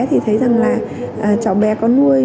thì thấy rằng là cháu bé có nuôi